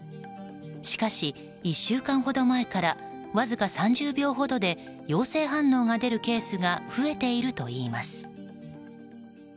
しかし１週間ほど前からわずか３０秒ほどで陽性反応が出るケースが増えているといいます。